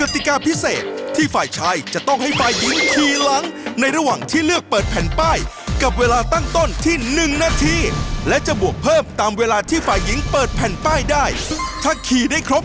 ถ้าได้จริงถ้ายังงั้นแนะนำรู้จักเครื่องพิสูจน์รักครับ